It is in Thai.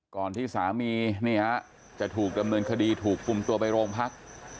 ก่อนที่สามีนี่ฮะจะถูกดำเนินคดีถูกคุมตัวไปโรงพัก